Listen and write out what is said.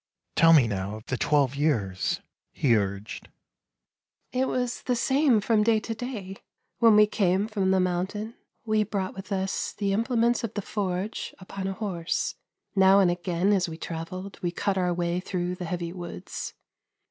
" Tell me now of the twelve years," he urged. " It was the same from day to day. When we came from the mountain, we brought with us the implements of the forge upon a horse. Now and again as we trav elled we cut our way through the heavy woods.